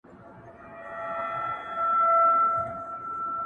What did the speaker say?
نغمې بې سوره دي، له ستوني مي ږغ نه راوزي!!